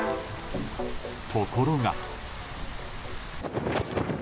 ところが。